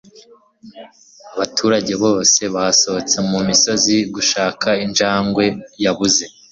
abaturage bose basohotse mu misozi gushaka injangwe yabuze